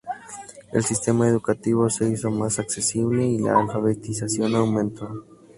El sistema educativo se hizo más accesible, y la alfabetización aumentó.